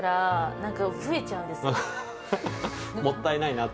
もったいないなって？